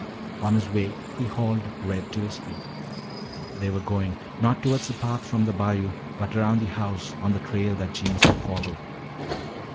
On his way he hauled Red to his feet. They were going, not toward the path from the bayou, but around the house on the trail that Jeems had followed.